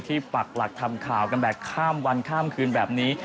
ปักหลักทำข่าวกันแบบข้ามวันข้ามคืนแบบนี้